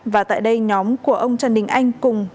và tại đây nhóm của ông trần đình anh